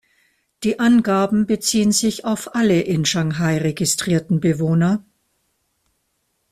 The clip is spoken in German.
Die Angaben beziehen sich auf alle in Shanghai registrierten Bewohner.